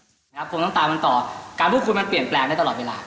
คงต้องตามมันต่อการพูดคุยมันเปลี่ยนแปลงได้ตลอดเวลา